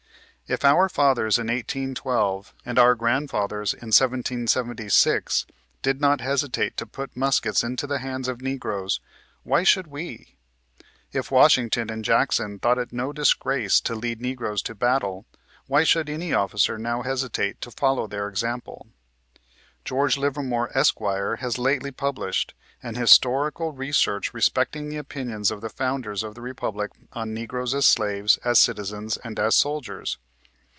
If our fathers in 1812, and our grandfathers in 1776, did not hesitate to put muskets into the hands of Negroes, why should we ? If Wash ington and Jackson thought it no disgrace to lead Negroes to battle, why should any officer now hesitate to follow their example? George Livermore, Esq., has lately published " An Historical Re search respecting the Opinions of the Founders of the Republic on Negroes as Slaves, as Citizens, and as Soldiers."